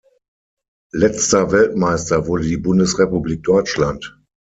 Letzter Weltmeister wurde die Bundesrepublik Deutschland.